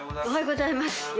おはようございます。